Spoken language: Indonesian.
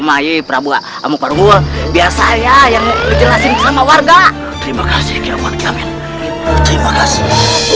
mai prabowo amukmarunggul biasa ya yang dijelasin sama warga terima kasih kiaman kiamin terima kasih